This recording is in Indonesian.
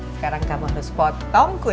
sekarang kamu harus potong kue